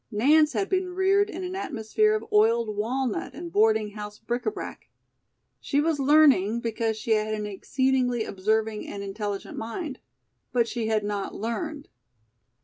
Nance had been reared in an atmosphere of oiled walnut and boarding house bric à brac. She was learning because she had an exceedingly observing and intelligent mind, but she had not learned.